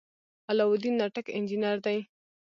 علاالدین ناټک انجنیر دی.